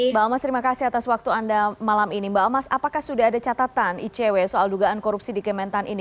mbak almas terima kasih atas waktu anda malam ini mbak almas apakah sudah ada catatan icw soal dugaan korupsi di kementan ini